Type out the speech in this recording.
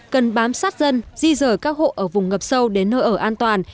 cần bám sát dân di rời các hộ ở vùng ngập sâu đến nơi ở an toàn